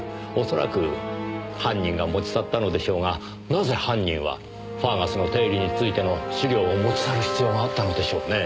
恐らく犯人が持ち去ったのでしょうがなぜ犯人はファーガスの定理についての資料を持ち去る必要があったのでしょうね。